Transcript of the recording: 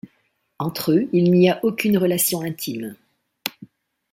Entre eux il n'y a aucune relation intime.